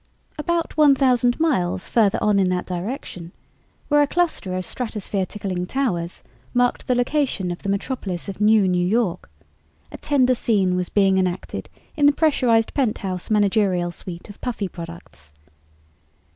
About one thousand miles farther on in that direction, where a cluster of stratosphere tickling towers marked the location of the metropolis of NewNew York, a tender scene was being enacted in the pressurized penthouse managerial suite of Puffy Products.